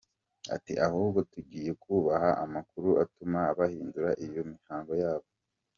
Ati “Ahubwo tugiye kubaha amakuru atuma bahindura iyo mihango yabo.